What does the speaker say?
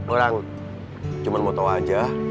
orang cuman mau tau aja